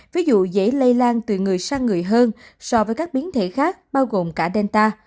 ví dụ dễ lây lan từ người sang người hơn so với các biến thể khác bao gồm cả delta